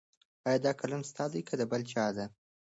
ایا دا قلم ستا دی که د بل چا؟